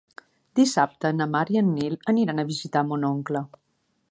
Dissabte na Mar i en Nil aniran a visitar mon oncle.